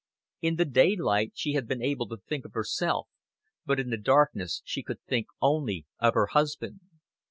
In the daylight she had been able to think of herself, but in the darkness she could think only of her husband.